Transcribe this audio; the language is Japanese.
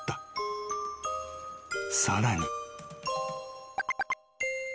［さらに］